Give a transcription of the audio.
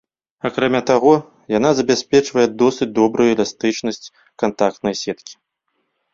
Акрамя таго, яна забяспечвае досыць добрую эластычнасць кантактнай сеткі.